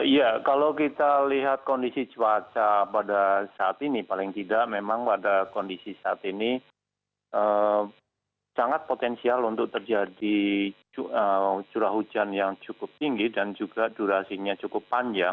ya kalau kita lihat kondisi cuaca pada saat ini paling tidak memang pada kondisi saat ini sangat potensial untuk terjadi curah hujan yang cukup tinggi dan juga durasinya cukup panjang